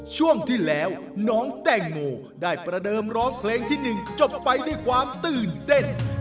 ช่วงที่แล้วน้องแตงโมได้ประเดิมร้องเพลงที่๑จบไปด้วยความตื่นเต้น